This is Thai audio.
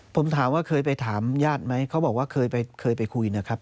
ผมถามว่าเคยไปถามญาติไหมเขาบอกว่าเคยไปคุยนะครับ